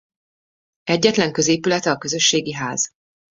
Egyetlen középülete a közösségi ház.